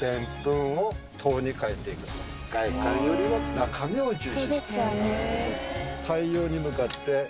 外観よりも中身を重視してる。